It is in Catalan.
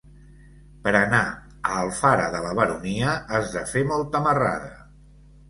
Per anar a Alfara de la Baronia has de fer molta marrada.